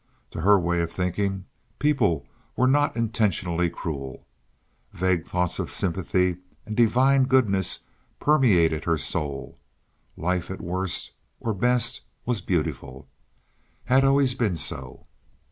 To her way of thinking, people were not intentionally cruel. Vague thoughts of sympathy and divine goodness permeated her soul. Life at worst or best was beautiful—had always been so.